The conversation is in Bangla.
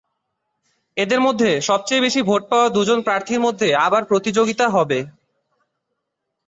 এদের মধ্যে সবচেয়ে বেশি ভোট পাওয়া দুজন প্রার্থীর মধ্যে আবার প্রতিযোগিতা হবে।